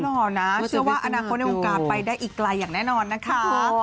หล่อนะเชื่อว่าอนาคตในวงการไปได้อีกไกลอย่างแน่นอนนะคะ